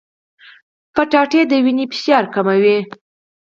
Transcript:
کچالو د وینې فشار کموي.